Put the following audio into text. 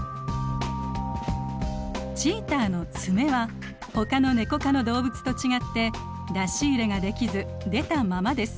チーターの爪はほかのネコ科の動物と違って出し入れができず出たままです。